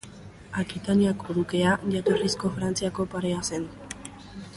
Akitaniako dukea jatorrizko Frantziako parea zen.